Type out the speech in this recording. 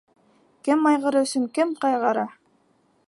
Кем айғыры өсөн кем ҡайғыра?